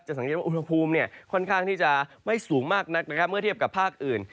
สังเกตว่าอุณหภูมิค่อนข้างที่จะไม่สูงมากนักนะครับเมื่อเทียบกับภาคอื่น